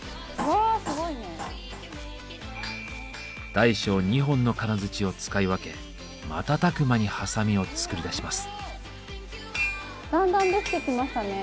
大小２本の金づちを使い分け瞬く間にハサミを作り出します。